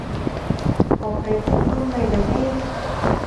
Có cái vụ ông này đánh em